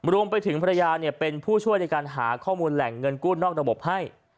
รวมไปถึงภรรยาเป็นผู้ช่วยในการหาข้อมูลแหล่งเงินกู้นอกระบบให้